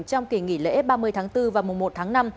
trong kỳ nghỉ lễ ba mươi tháng bốn và mùa một tháng năm